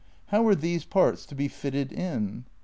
How are these parts to be fitted in?